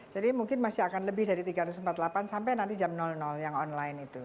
jadi mungkin masih akan lebih dari tiga ratus empat puluh delapan sampai nanti jam yang online itu